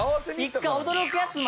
一回驚くやつも。